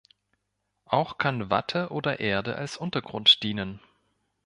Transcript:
Auch kann Watte oder Erde als Untergrund dienen.